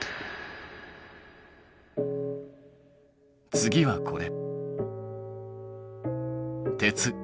次はこれ。